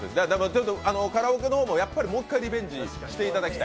カラオケの方も、やっぱりもう一回リベンジしていただきたい。